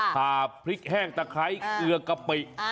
ผ่าพริกแห้งตะไคร้เกลือกะปิ